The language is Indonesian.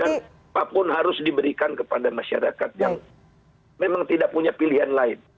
dan apapun harus diberikan kepada masyarakat yang memang tidak punya pilihan lain